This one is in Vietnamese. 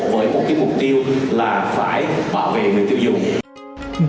với một cái mục tiêu là phải bảo vệ người tiêu dùng